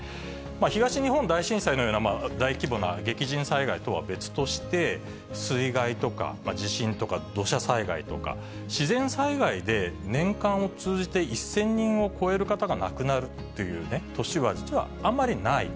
東日本大震災のような大規模な激甚災害とは別として、水害とか、地震とか、土砂災害とか自然災害で年間を通じて、１０００人を超える方が亡くなるっていう年は実はあまりない。